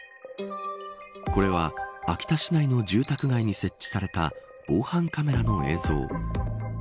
これは、秋田市内の住宅街に設置された防犯カメラの映像。